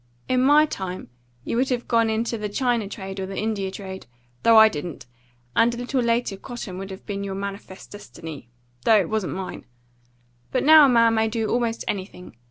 In my time you would have gone into the China trade or the India trade though I didn't; and a little later cotton would have been your manifest destiny though it wasn't mine; but now a man may do almost anything.